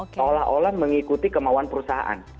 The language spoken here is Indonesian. seolah olah mengikuti kemauan perusahaan